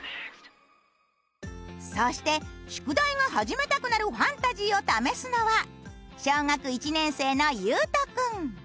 そして宿題が始めたくなるファンタジーを試すのは小学１年生のゆうとくん。